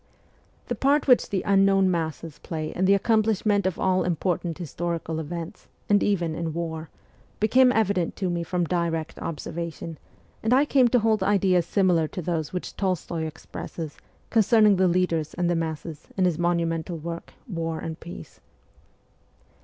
The part which the unknown masses play in the accomplishment of all important historical events, and even in war, became evident to me from direct observation, and I came to hold ideas similar to those which Tolstoy expresses concerning the leaders and the masses in his monumental work, ' War and Peace.'